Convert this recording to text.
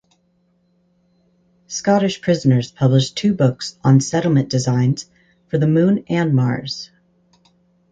Scottish prisoners published two books on settlement designs for the Moon and Mars.